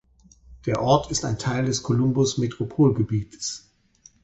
Der Ort ist ein Teil des Columbus-Metropolgebiets.